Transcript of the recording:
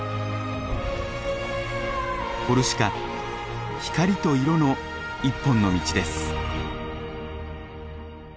コルシカ光と色の一本の道です。